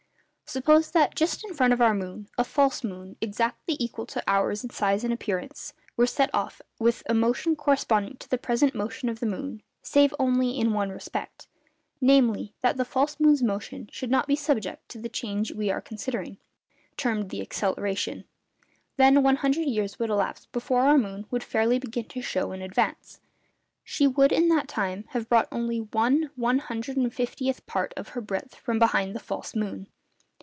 Suppose that, just in front of our moon, a false moon exactly equal to ours in size and appearance (see note at the end of this paper) were to set off with a motion corresponding to the present motion of the moon, save only in one respect—namely, that the false moon's motion should not be subject to the change we are considering, termed the acceleration. Then one hundred years would elapse before our moon would fairly begin to show in advance. She would, in that time, have brought only one one hundred and fiftieth part of her breadth from behind the false moon.